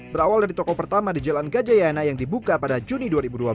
berawal dari toko pertama di jalan gajayana yang dibuka pada juni dua ribu dua belas